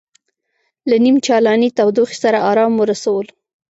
له نیم چالانې تودوخې سره ارام ورسولو.